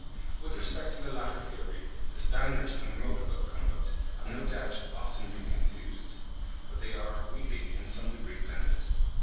With respect to the latter theory the standard and the motive of conduct have no doubt often been confused, but they are really in some degree blended.)